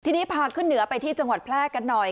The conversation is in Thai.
ทีนี้พาขึ้นเหนือไปที่จังหวัดแพร่กันหน่อย